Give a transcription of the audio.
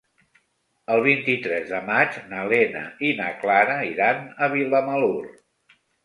El vint-i-tres de maig na Lena i na Clara iran a Vilamalur.